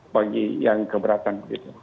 bagi yang keberatan